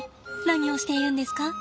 何をしているんですか？